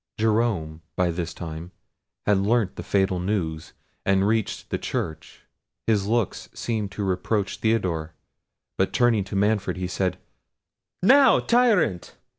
Jerome, by this time, had learnt the fatal news, and reached the church. His looks seemed to reproach Theodore, but turning to Manfred, he said, "Now, tyrant!